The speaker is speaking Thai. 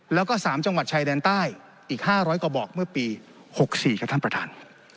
แล้วก็๓จังหวัดชายแดนใต้อีก๕๐๐กว่าบอกเมื่อปี๖๔ครับท่านประธาน